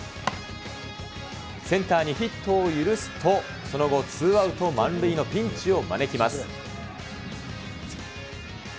センターにヒットを許すと、その後、ツーアウト満塁のピンチを招きます。